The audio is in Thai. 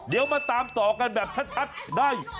เดี๋ยวมาตามต่อกันแบบชัดได้